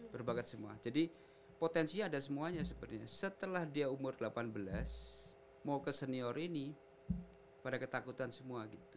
berbakat semua jadi potensinya ada semuanya sebenarnya setelah dia umur delapan belas mau ke senior ini pada ketakutan semua gitu